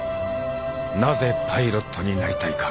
なぜパイロットになりたいか。